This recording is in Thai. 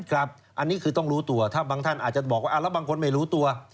ครับอันนี้คือต้องรู้ตัวถ้าบางท่านอาจจะบอกว่าแล้วบางคนไม่รู้ตัว